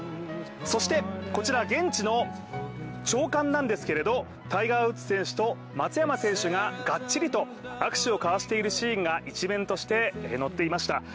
そしてこちら、現地の朝刊なんですけれどタイガー・ウッズ選手と松山選手ががっちりと握手を交わしているシーンが一面として載っていました。